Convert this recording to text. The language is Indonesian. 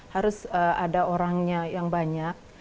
harus ada orangnya yang banyak